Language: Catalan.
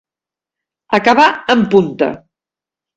Acabar en punta.